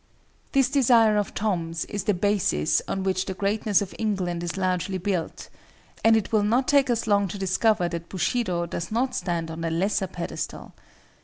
This desire of Tom's is the basis on which the greatness of England is largely built, and it will not take us long to discover that Bushido does not stand on a lesser pedestal.